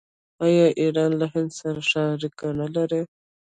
آیا ایران له هند سره ښه اړیکې نلري؟